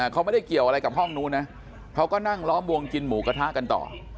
เขาไม่ได้เกี่ยวอะไรกับห้องนู้นนะเขาก็นั่งล้อมวงกินหมูกระทะกันต่อ